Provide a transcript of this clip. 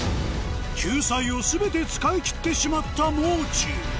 救済を全て使い切ってしまった「もう中」